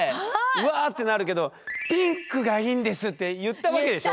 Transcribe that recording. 「わぁ！」ってなるけど「ピンクがいいんです！」って言ったわけでしょ